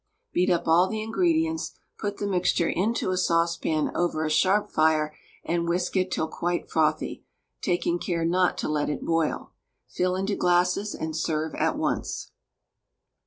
Beat up all the ingredients, put the mixture into a saucepan over a sharp fire, and whisk it till quite frothy, taking care not to let it boil; fill into glasses and serve at once.